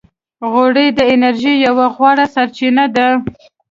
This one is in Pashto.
غوړې د انرژۍ یوه غوره سرچینه ده.